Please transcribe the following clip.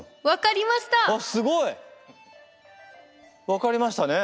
分かりましたね。